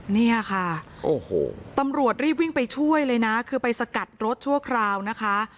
เนี่ยค่ะโอ้โหตำรวจรีบวิ่งไปช่วยเลยนะคือไปสกัดรถชั่วคราวนะคะ